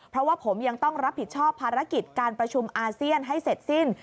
เพราะว่าผมยังต้องรับผิดชอบภารกิจการประชุมอาเซียนให้เสร็จสิ้น